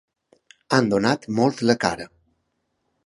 Han donat molt la cara.